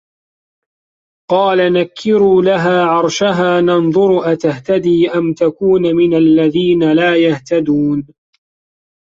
قالَ نَكِّروا لَها عَرشَها نَنظُر أَتَهتَدي أَم تَكونُ مِنَ الَّذينَ لا يَهتَدونَ